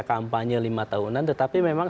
kampanye lima tahunan tetapi memang